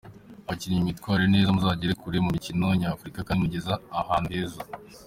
Abakinnyi mwitware neza muzagere kure mu mikino Nyafurika kandi mugeze ahantu heza.